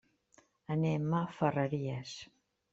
Anem a Ferreries.